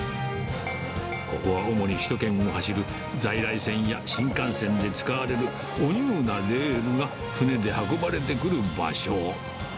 ここは主に首都圏を走る在来線や新幹線で使われるおニューなレールが、船で運ばれてくる場所。